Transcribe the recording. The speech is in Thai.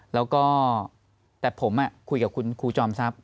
แล้วก็แต่ผมคุยกับคุณครูจอมทรัพย